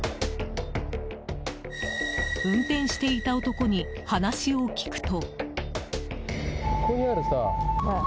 運転していた男に話を聞くと。